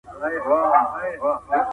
ایا ملي بڼوال بادام ساتي؟